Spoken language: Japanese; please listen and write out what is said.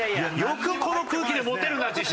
よくこの空気で持てるな自信！